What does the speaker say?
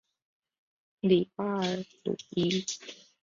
里巴尔鲁伊。